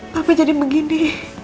papa jadi begini